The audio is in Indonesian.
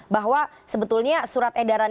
bahwa sebetulnya surat edaran